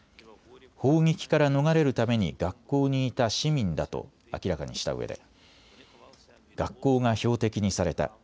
砲撃から逃れるために学校にいた市民だと明らかにしたうえで学校が標的にされた。